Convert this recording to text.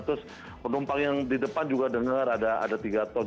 terus penumpang yang di depan juga dengar ada tiga tol